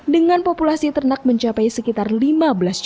dengan populasi ternak mencapai sekitar rp sepuluh